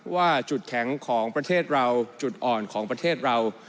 ว่าจุดแข็งของประเทศเราจุดอ่อนของประเทศเรา